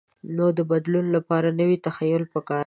نو د بدلون لپاره نوی تخیل پکار دی.